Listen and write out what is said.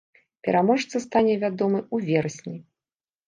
Пераможца стане вядомы ў верасні.